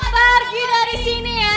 pergi dari sini ya